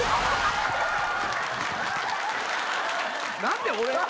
何で俺が。